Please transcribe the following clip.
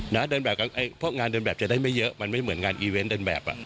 เพราะงานเดินแบบจะได้ไม่เยอะมันไม่เหมือนงานอีเวนต์เดินแบบ